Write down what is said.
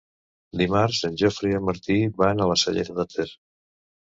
Dimarts en Jofre i en Martí van a la Cellera de Ter.